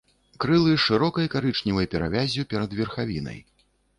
Крылы з шырокай карычневай перавяззю перад верхавінай.